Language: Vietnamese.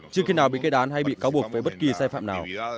chưa khi nào bị gây đán hay bị cáo buộc về bất kỳ sai phạm nào